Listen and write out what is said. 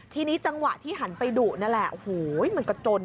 ทีนี้จังหวะที่หันไปดุนั่นแหละโอ้โหมันก็จน